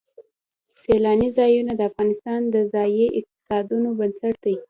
سیلانی ځایونه د افغانستان د ځایي اقتصادونو بنسټ دی.